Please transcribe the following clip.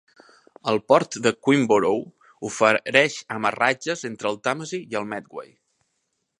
El port de Queenborough ofereix amarratges entre el Tàmesi i el Medway.